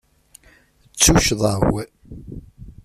D tuccḍa-w.